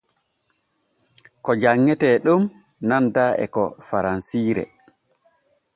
Ko janŋete ɗon nanda e ko faransire.